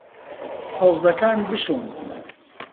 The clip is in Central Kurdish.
سەوزەکان بشۆن.